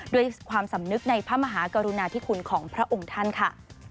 ด้วยความสำนึกในพระมหากรุณาธิคุณของพระองค์ท่านค่ะ